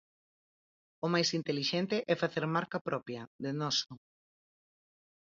O máis intelixente é facer marca propia, de noso.